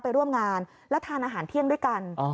ไปร่วมงานแล้วทานอาหารเที่ยงด้วยกัน